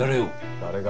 誰が？